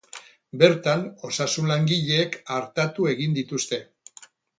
Bertan, osasun langileek artatu egin dituzte.